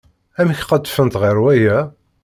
Amek qedfent ɣer waya?